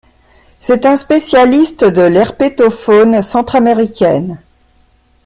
C'est un spécialiste de l'herpétofaune centraméricaine.